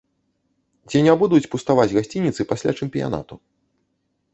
Ці не будуць пуставаць гасцініцы пасля чэмпіянату?